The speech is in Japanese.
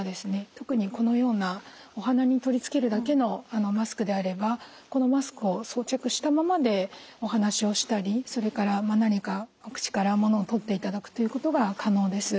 特にこのようなお鼻に取り付けるだけのマスクであればこのマスクを装着したままでお話をしたりそれから何かお口からものをとっていただくということが可能です。